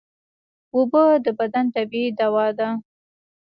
اوبه د بدن طبیعي دوا ده